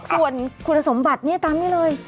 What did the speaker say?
ส่วนคุณสมบัติเนี่ยตามนี้เลย